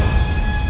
saya sudah menang